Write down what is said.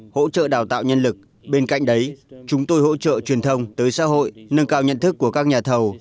hỗ trợ đào tạo nhân lực bên cạnh đấy chúng tôi hỗ trợ truyền thông tới xã hội nâng cao nhận thức của các nhà thầu